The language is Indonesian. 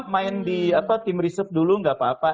main di tim riset dulu tidak apa apa